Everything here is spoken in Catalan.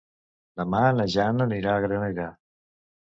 Demà na Jana anirà a Granera.